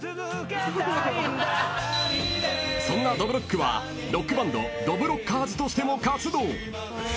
［そんなどぶろっくはロックバンドどぶろっかーずとしても活動］